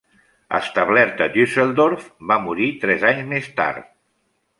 Establert a Düsseldorf, va morir tres anys més tard.